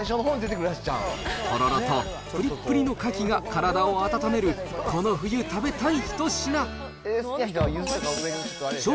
とろろとぷりっぷりのカキが体を温める、この冬食べたい一品。